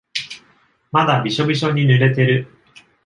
まだびしょびしょに濡れてる。